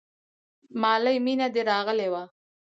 مالې مينه دې راغلې وه.